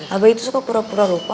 abai itu suka pura pura lupa